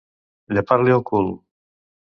Llepar-li el cul.